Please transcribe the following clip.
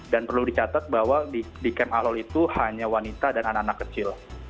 dan perlu dicatat bahwa di camp al hol itu hanya wanita dan anak anak kecil